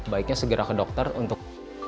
baiknya segera ke dokter untuk